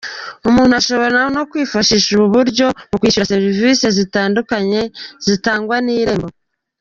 Umuntu ashobora no kwifashisha ubu buryo mu kwishyura serivisi zitandukanye zitangwa n’Irembo.